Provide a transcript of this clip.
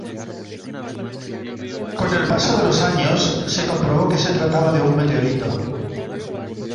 Con el paso de los años se comprobó que se trataba de un meteorito.